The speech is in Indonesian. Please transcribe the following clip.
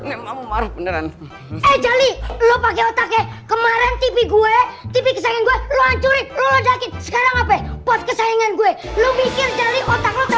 eh jali lu pake otaknya kemarin tipe gue tipe kesayangan gua lu ancurin lu ledakin sekarang apa pot kesayangan gue lu mikir jali otak lu taro dimana